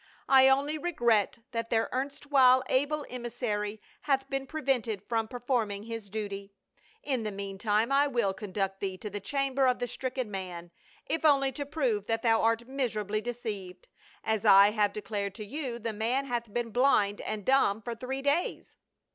I only regret that their erstw'hile able emissary hath been prevented from performing his duty. In the mean time I will conduct thee to the chamber of the stricken man, if only to prove that thou art miserably deceived. As I have declared to you, the man hath been blind and dumb for three days."